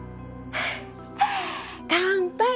乾杯！